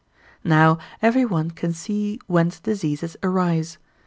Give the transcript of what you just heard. Now every one can see whence diseases arise.